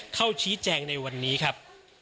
เข้าชี้แจงในวันนี้ครับ